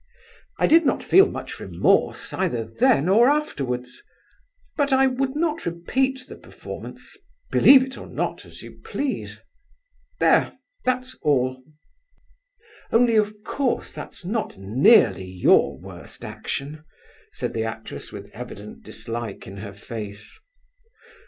"I did not feel much remorse either then or afterwards; but I would not repeat the performance—believe it or not as you please. There—that's all." "Only, of course that's not nearly your worst action," said the actress, with evident dislike in her face.